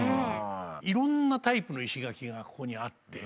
いろんなタイプの石垣がここにあって。